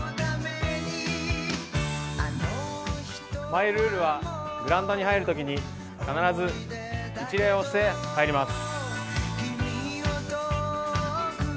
マイルールはグラウンドに入るときに必ず一礼をして入ります。